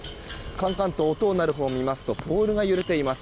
カンカンと音が鳴るほうを見ますとポールが揺れています。